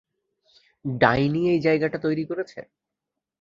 ডাইনি এই জায়গাটা তৈরি করেছে?